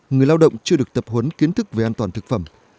người lao động chưa được tập huấn kiến thức về an toàn thực phẩm